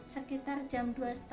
sekitar jam dua tiga puluh